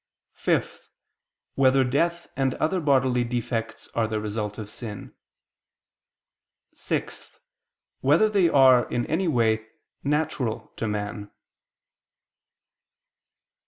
(5) Whether death and other bodily defects are the result of sin? (6) Whether they are, in any way, natural to man?